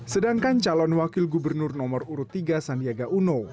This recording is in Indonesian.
sedangkan calon wakil gubernur nomor urut tiga sandiaga uno